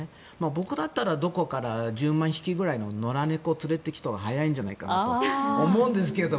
僕だったらどこかから１０万匹くらいの野良猫を連れてきたほうが早いんじゃないかと思うんですけどね。